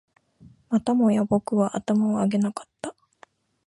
またもや僕は頭を上げなかった